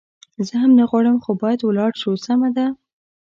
زه هم نه غواړم، خو باید ولاړ شو، سمه ده.